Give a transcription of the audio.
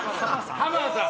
浜田さん。